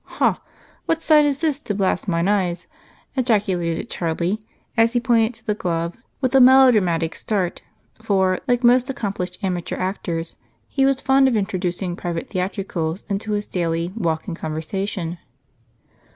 "Ha! What sight is this to blast mine eyes?" ejaculated Charlie, as he pointed to the glove with a melodramatic start, for, like most accomplished amateur actors, he was fond of introducing private theatricals into his daily talk and conversation.